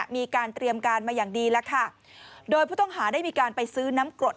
มีการเตรียมการมาอย่างดีแล้วค่ะโดยผู้ต้องหาได้มีการไปซื้อน้ำกรด